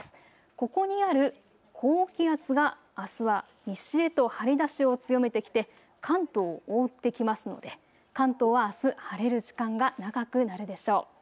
ここにある高気圧があすは西へと張り出しを強めてきて関東を覆ってきますので関東はあす、晴れる時間が長くなるでしょう。